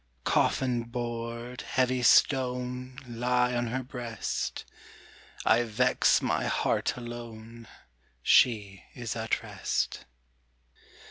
Coffin board, heavy stone, Lie on her breast, I vex my heart alone, She is at rest.